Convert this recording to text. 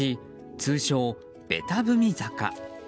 通称ベタ踏み坂。